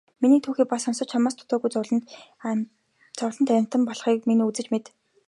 Миний түүхийг бас сонсож чамаас дутуугүй зовлонт амьтан болохыг минь үзэж мэд.